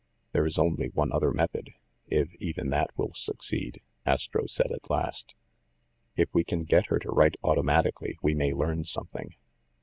"There is only one other method, if even that will succeed," Astro said at last. "If we can get her to write automatically, we may learn something.